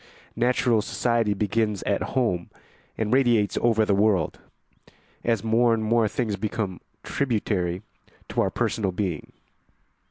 Natural society begins at home and radiates over the world, as more and more things become tributary to our personal being.